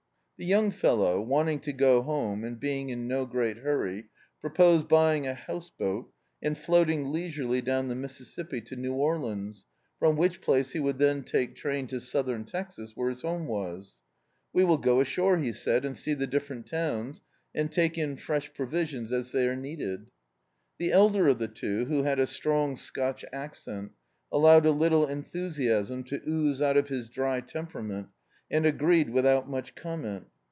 The young fellow, wanting to go home, and being in no great hurry, proposed buy ing a house boat and floating leisurely down the Mississippi to New Orleans, from which place he would then take train to Southern Texas, where his home was. "We will go ashore," he said, "and see the different towns, and take in fresh provisions as they are needed." The elder of the two, who had a strong Scotch accent, allowed a little enthusiasm to ooze out of his dry temperament, and agreed without much comment.